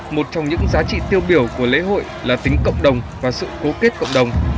một trong những giá trị tiêu biểu của lễ hội là tính cộng đồng và sự cố kết cộng đồng